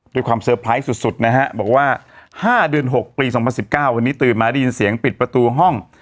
เตอร์ไพรส์สุดนะฮะบอกว่า๕เดือน๖ปี๒๐๑๙วันนี้ตื่นมาได้ยินเสียงปิดประตูห้อง